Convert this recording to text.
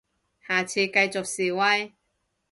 下次繼續示威